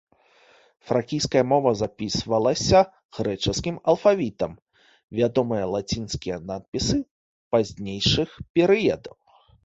Фракійская мова запісвалася грэчаскім алфавітам, вядомыя лацінскія надпісы пазнейшых перыядаў.